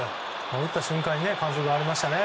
打った瞬間に感触がありましたね。